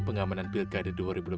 pengamanan pilkada dua ribu delapan belas